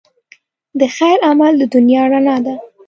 د خیر عمل د دنیا رڼا ده.